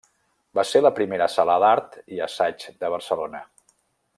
Va ser la primera sala d’art i assaig de Barcelona.